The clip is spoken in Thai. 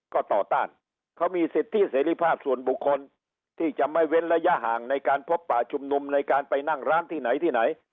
ก็ต่อต้านเขามีสิทธิเสรีภาพส่วนบุคคลที่จะไม่เว้นระยะห่างในการพบป่าชุมนุมในการไปนั่งร้านที่ไหนที่ไหน